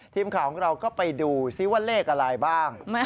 ทีมข่าวของเราก็ไปดูซิว่าเลขอะไรบ้าง